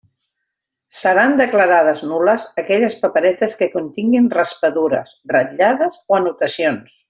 Seran declarades nul·les aquelles paperetes que continguen raspadures, ratllades o anotacions.